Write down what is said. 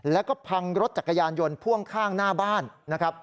แล้วก็พังรถจักรยานยนต์พ่วงข้างหน้าบ้านนะครับ